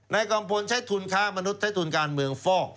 กัมพลใช้ทุนค้ามนุษย์ใช้ทุนการเมืองฟอก